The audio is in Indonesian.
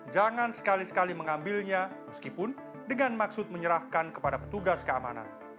jangan sekali sekali mengambilnya meskipun dengan maksud menyerahkan kepada petugas keamanan